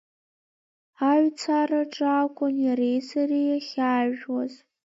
Аҩцараҿы акәын иареисареи иахьаажәуаз…